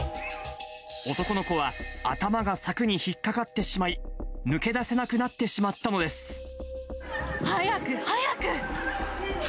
男の子は頭が柵に引っ掛かってしまい、抜け出せなくなってしまっ早く、早く。